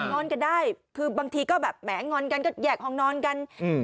อนกันได้คือบางทีก็แบบแหงอนกันก็แยกห้องนอนกันอืม